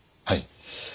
はい。